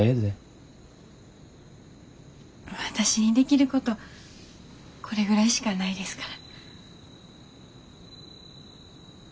私にできることこれぐらいしかないですから。